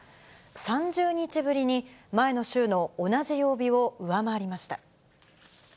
３０日ぶりに前の週の同じ曜日を上回りました。